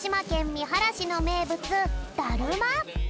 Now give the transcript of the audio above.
みはらしのめいぶつだるま。